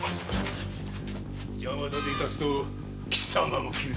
邪魔立ていたすと貴様も斬る。